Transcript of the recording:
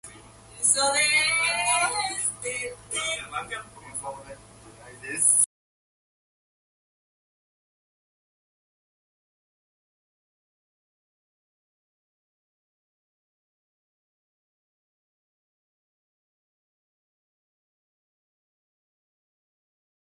These uniformly failed to gain approval, slowing the county's business development.